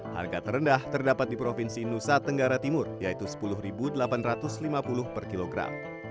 harga terendah terdapat di provinsi nusa tenggara timur yaitu rp sepuluh delapan ratus lima puluh per kilogram